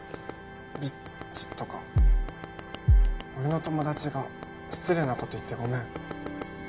ビッチとか俺の友達が失礼なこと言ってごめん。